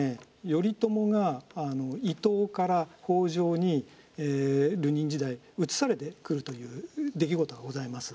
頼朝が伊東から北条に流人時代移されてくるという出来事がございます。